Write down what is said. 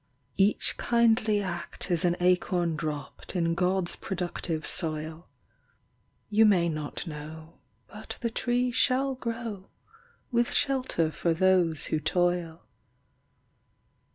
Each kindly act is an acorn dropped In God's productive soil. You may not know, but the tree shall grow, With shelter for those who toil.